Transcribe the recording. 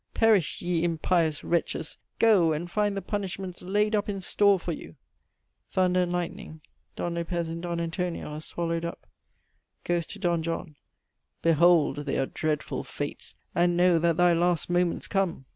Perish ye impious wretches, go and find the punishments laid up in store for you! (Thunder and lightning. D. Lop. and D. Ant. are swallowed up.) "GHOST To D. JOHN. Behold their dreadful fates, and know that thy last moment's come!